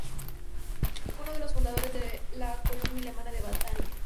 Fue uno de los fundadores de la colonia alemana de Batavia.